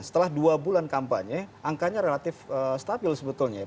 setelah dua bulan kampanye angkanya relatif stabil sebetulnya ya